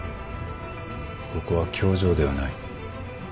ここは教場ではない。